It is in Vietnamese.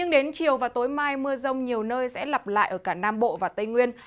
đến chiều và tối mai mưa rông nhiều nơi sẽ lặp lại ở cả nam bộ và tây nguyên